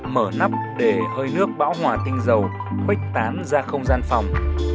mở nắp để hơi nước bão hòa tinh dầu khuếch tán ra không gian phòng